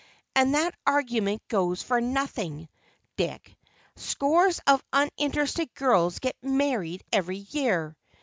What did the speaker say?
"And that argument goes for nothing, Dick. Scores of uninteresting girls get married every year.